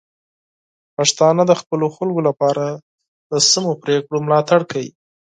پښتانه د خپلو خلکو لپاره د سمو پریکړو ملاتړ کوي.